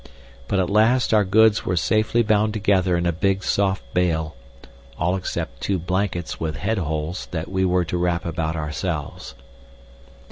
But at last our goods were safely bound together in a big soft bale, all except two blankets with head holes that we were to wrap about ourselves.